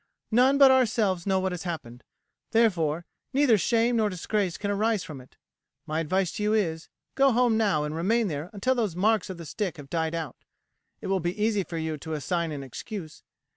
"None but ourselves know what has happened; therefore, neither shame nor disgrace can arise from it. My advice to you is, go home now and remain there until those marks of the stick have died out; it will be easy for you to assign an excuse.